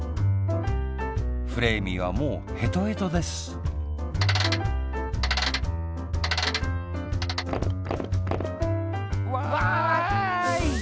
フレーミーはもうへとへとですわい！